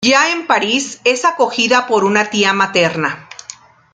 Ya en París, es acogida por una tía materna.